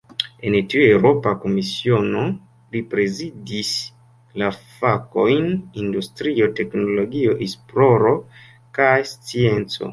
En tiu Eŭropa Komisiono, li prezidis la fakojn "industrio, teknologio, esploro kaj scienco".